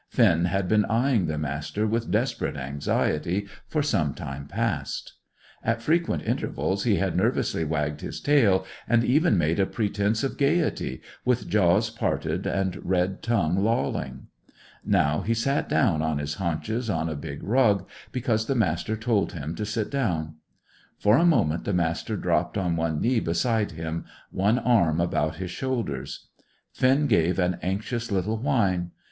Finn had been eyeing the Master with desperate anxiety for some time past. At frequent intervals he had nervously wagged his tail, and even made a pretence of gaiety, with jaws parted, and red tongue lolling. Now he sat down on his haunches on a big rug, because the Master told him to sit down. For a moment the Master dropped on one knee beside him, one arm about his shoulders. Finn gave an anxious little whine.